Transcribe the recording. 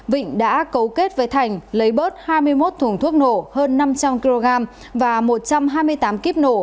vịnh đã cấu kết với thành lấy bớt hai mươi một thùng thuốc nổ hơn năm trăm linh kg và một trăm hai mươi tám kíp nổ